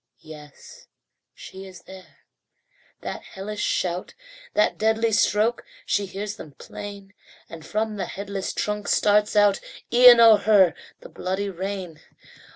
Yes, she is there; that hellish shout, That deadly stroke, she hears them plain, And from the headless trunk starts out Even over her the bloody rain.